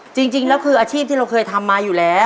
จริงแล้วคืออาชีพที่เราเคยทำมาอยู่แล้ว